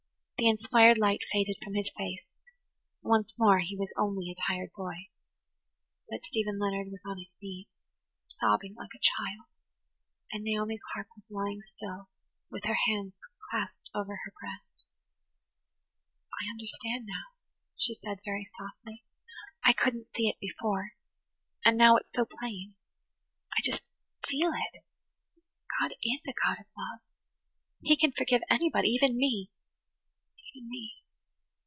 The inspired light faded from his face; once more he was only a tired boy. But Stephen Leonard was on his knees, sobbing like a child; and Naomi Clark was lying still, with her hands clasped over her breast. "I understand now," she said very softly. "I couldn't see it before–and now it's so plain. I just feel it. God is a God of love. He can forgive anybody–even me–even me.